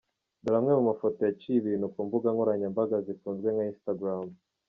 Dore amwe mu mafoto yaciye ibintu ku mbuga nkoranyambaga zikunzwe nka Instagram.